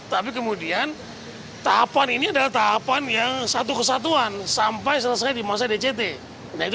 tapi kemudian tahapan ini adalah tahapan yang satu kesatuan sampai selesai di masa dct